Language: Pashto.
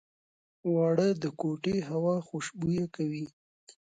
اوړه د کوټې هوا خوشبویه کوي